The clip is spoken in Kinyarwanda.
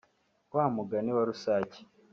Wa mugani wa Rusake